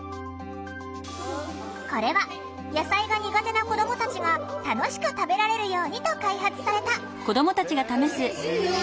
これは野菜が苦手な子どもたちが楽しく食べられるようにと開発された。